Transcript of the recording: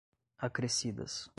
acrescidas